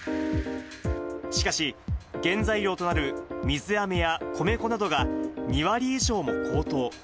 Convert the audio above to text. しかし、原材料となる水あめや米粉などが、２割以上も高騰。